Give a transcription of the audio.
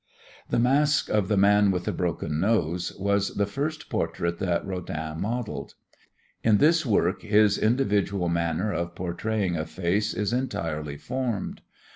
The mask of "The Man with the Broken Nose" was the first portrait that Rodin modeled. In this work his individual manner of portraying a face is entirely formed.